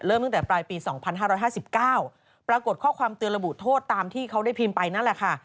ตั้งแต่ปลายปี๒๕๕๙ปรากฏข้อความเตือนระบุโทษตามที่เขาได้พิมพ์ไปนั่นแหละค่ะ